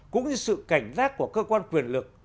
cũng như sự cảnh giác của cơ quan quyền lực